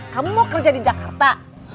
kamu mau kerja di jakarta